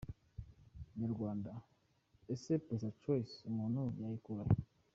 Inyarwanda: Ese Pesachoice umuntu yayikura he?.